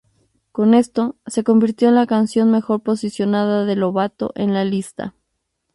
Con esto, se convirtió en la canción mejor posicionada de Lovato en la lista.